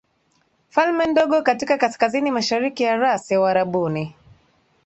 falme ndogo katika kaskazinimashariki ya Rasi ya Uarabuni